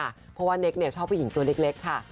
เพราะว่าเนคชอบผู้หญิงตัวเล็กค่ะ